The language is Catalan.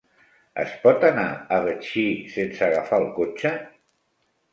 Es pot anar a Betxí sense agafar el cotxe?